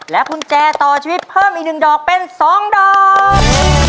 และกุญแจต่อชีวิตเพิ่มอีกหนึ่งดอกเป็นสองดอก